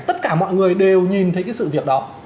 tất cả mọi người đều nhìn thấy cái sự việc đó